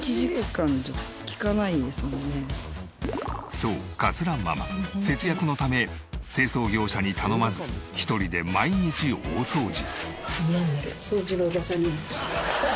そう桂ママ節約のため清掃業者に頼まず１人で毎日大掃除。